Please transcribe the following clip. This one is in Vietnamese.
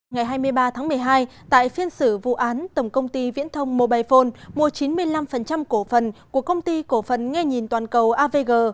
ngày hai mươi ba tháng một mươi hai tại phiên xử vụ án tổng công ty viễn thông mobile phone mua chín mươi năm cổ phần của công ty cổ phần nghe nhìn toàn cầu avg